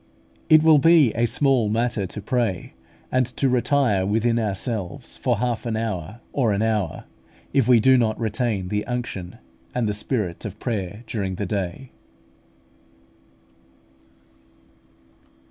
It will be a small matter to pray, and to retire within ourselves for half an hour or an hour, if we do not retain the unction and the spirit of prayer during the day.